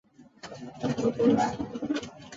也是科罗科罗自治监督区荣休主教。